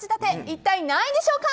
一体何位でしょうか。